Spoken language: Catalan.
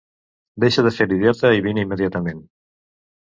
Deixa de fer l'idiota i vine immediatament.